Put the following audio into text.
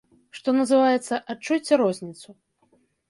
Што называецца, адчуйце розніцу.